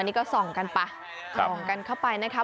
นี่ก็ส่องกันไปส่องกันเข้าไปนะคะ